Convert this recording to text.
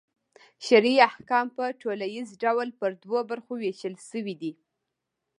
شرعي احکام په ټوليز ډول پر دوو برخو وېشل سوي دي.